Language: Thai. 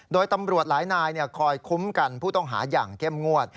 โดยตำรวจหลายนายคอยคุ้มกันผู้ต้องหาอย่างเข้มงวด